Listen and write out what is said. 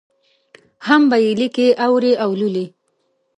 هم به یې لیکي، اوري او لولي.